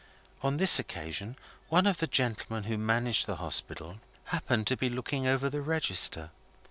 On this occasion, one of the gentlemen who managed the Hospital happened to be looking over the Register.